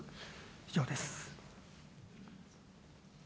以上です。